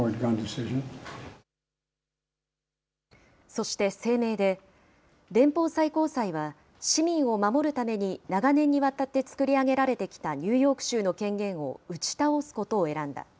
そして、声明で連邦最高裁は市民を守るために長年にわたって作り上げられてきたニューヨーク州の権限を打ち倒すことを選んだ。